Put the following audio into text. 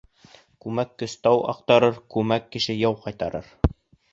Күмәк көс тау аҡтарыр, күмәк кеше яу ҡайтарыр.